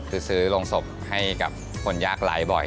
คือซื้อโรงศพให้กับคนยากไหลบ่อย